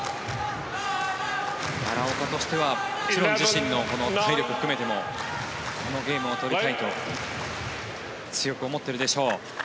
奈良岡としてはもちろん自身の体力を含めてもこのゲームを取りたいと強く思っているでしょう。